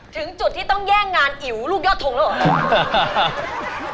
ถึงจุดที่ต้องแย่งงานอิ๋วลูกยอดทงแล้วเหรอ